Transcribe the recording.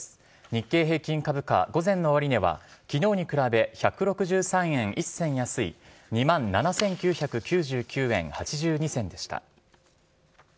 日経平均株価、午前の終値は、きのうに比べ１６３円１銭安い２万７９９９円８２銭でした。